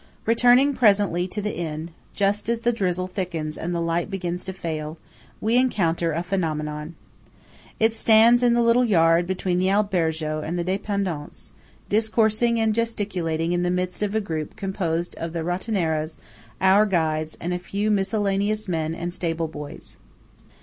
Returning presently to the inn, just as the drizzle thickens and the light begins to fail, we encounter a Phenomenon. It stands in the little yard between the Albergo and the Dependance, discoursing and gesticulating in the midst of a group composed of the Rottenaras, our guides, and a few miscellaneous men and stable boys.